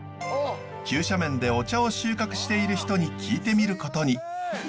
急斜面でお茶を収穫している人に聞いてみることに。